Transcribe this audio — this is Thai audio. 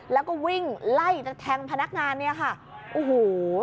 แล้วก็วิ่งไล่จะแทงพนักงานเนี่ยค่ะโอ้โห